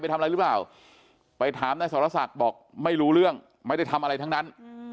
ทำอะไรหรือเปล่าไปถามนายสรศักดิ์บอกไม่รู้เรื่องไม่ได้ทำอะไรทั้งนั้น